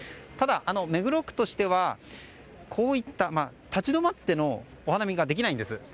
ただ、目黒区としては立ち止まってのお名波ができないんです。